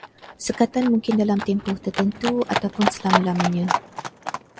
Sekatan mungkin dalam tempoh tertentu ataupun selama-lamanya